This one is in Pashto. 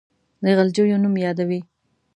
د غلجیو نوم یادوي.